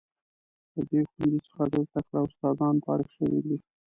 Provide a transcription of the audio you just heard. له دې ښوونځي څخه ډیر تکړه استادان فارغ شوي دي.